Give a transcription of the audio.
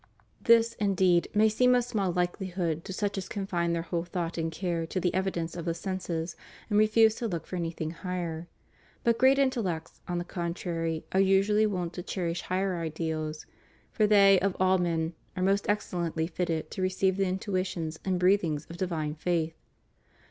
This, indeed, may seem of small hkehhood to such as confine their whole thought and care to the evidence of the senses, and refuse to look for anything higher. But great intellects, on the contrary, are usually wont to cherish higher ideals; for they, of all men, are most ex cellently fitted to receive the intuitions and breathings of divine faith.